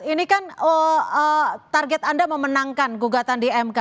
ini kan target anda memenangkan gugatan di mk